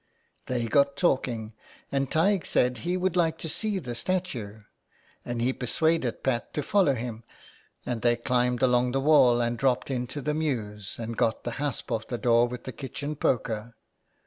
They got talking, and Taigdh said he would like to see the statue, and he persuaded Pat to follow him, and they climbed along the wall and dropped into the mews, and got the hasp off the door with the kitchen poker."